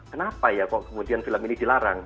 kenapa ya kok kemudian film ini dilarang